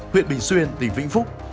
huyện bình xuyên tỉnh vĩnh phúc